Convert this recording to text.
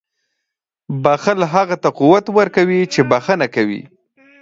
• بښل هغه ته قوت ورکوي چې بښنه کوي.